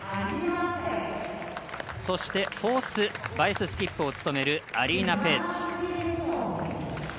そして、フォースバイススキップを務めるアリーナ・ペーツ。